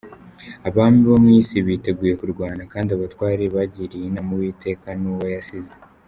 Abami bo mu isi biteguye kurwana, Kandi abatware bagiriye inama Uwiteka n’Uwo yasīze